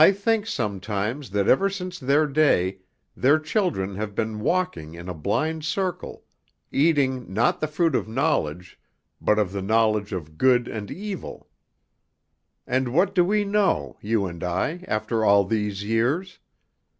I think sometimes that ever since their day their children have been walking in a blind circle, eating not the fruit of knowledge, but of the knowledge of good and evil. And what do we know, you and I, after all these years?